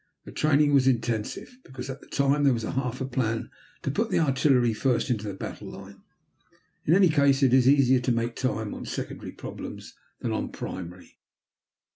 The training was intensive, because at that time there was a half plan to put the artillery first into the battle line. In any case it is easier to make time on secondary problems than on primary.